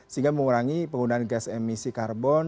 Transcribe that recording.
sehingga mengurangi penggunaan gas emisi karbon